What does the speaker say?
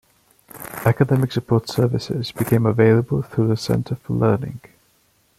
Academic support services became available through the Center for Learning.